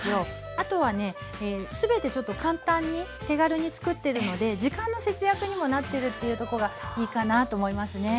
あとはね全てちょっと簡単に手軽につくってるので時間の節約にもなってるというとこがいいかなと思いますね。